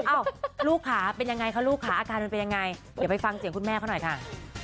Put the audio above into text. ลูกค่ะเป็นยังไงคะลูกค่ะอาการมันเป็นยังไงเดี๋ยวไปฟังเสียงคุณแม่เขาหน่อยค่ะ